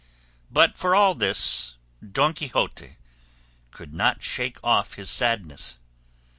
But for all this Don Quixote could not shake off his sadness.